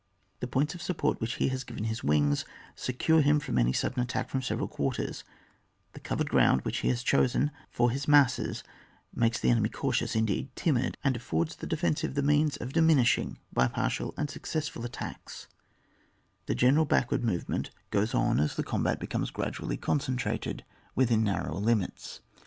The points of support which he has given his wings secure him from any sudden attack from several quarters; the covered ground which he has chosen for his masses makes the enemy cautious, indeed timid, and affords the defensive the means of diminishing by partial and successful attanks the general backward movement goes on as the combat becomes gradually concentrated within narrower limits.